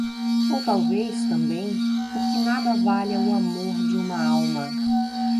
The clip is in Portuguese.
ou talvez, também, porque nada valha o amor de uma alma